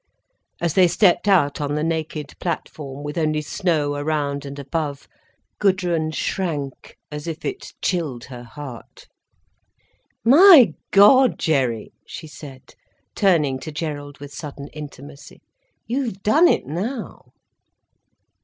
As they stepped out on the naked platform, with only snow around and above, Gudrun shrank as if it chilled her heart. "My God, Jerry," she said, turning to Gerald with sudden intimacy, "you've done it now."